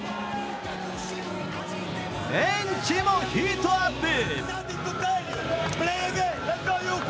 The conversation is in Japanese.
ベンチもヒートアップ。